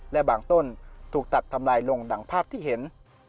และบางต้นถูกตัดทำลายลงดังภาพที่เห็น